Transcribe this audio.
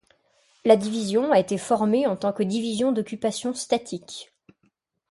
La division a été formée en tant que division d'occupation statique.